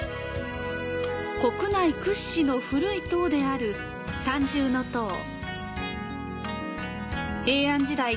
国内屈指の古い塔である三重塔。